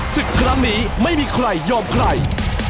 ศึกครั้งนี้ไม่มีใครยอมใคร